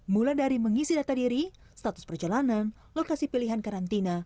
mulai dari mengisi data diri status perjalanan lokasi pilihan karantina